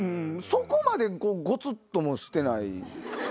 そこまでゴツっともしてない。